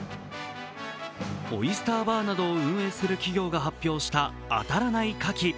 オイスターバーなどを運営する企業が発表したあたらない牡蠣。